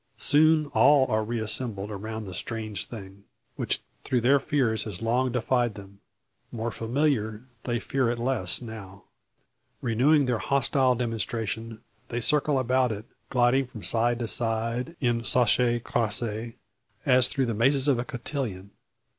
Soon all are re assembled round the strange thing, which through their fears has long defied them. More familiar, they fear it less now. Renewing their hostile demonstration, they circle about it, gliding from side to side in chassez croissez, as through the mazes of a cotillon.